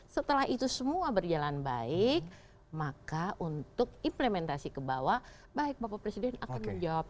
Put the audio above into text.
setelah itu semua berjalan baik maka untuk implementasi ke bawah baik bapak presiden akan menjawab